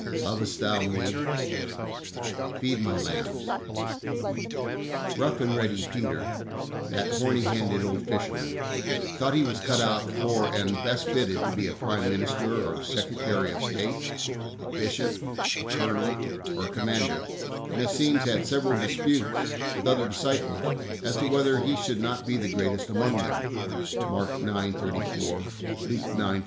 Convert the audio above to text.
"Lovest thou Met Feed My lambs." Rough and ready Peter, that horny handed old fisherman, thought he was cut out for and best fitted to be a prime minister or secretary of state, a bishop, a colonel, or a commander, and it seems had several dis putes with the other disciples as to whether he should not be the greatest among them (Mark 9: 34; Luke 9: 46).